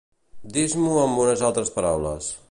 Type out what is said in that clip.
Dis-m'ho amb unes altres paraules.